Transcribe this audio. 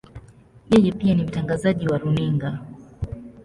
Yeye pia ni mtangazaji wa runinga.